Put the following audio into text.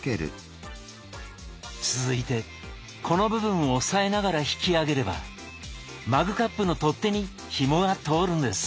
続いてこの部分を押さえながら引き上げればマグカップの取っ手にひもが通るんです。